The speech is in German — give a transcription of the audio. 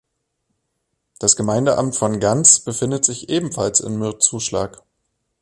Das Gemeindeamt von Ganz befindet sich ebenfalls in Mürzzuschlag.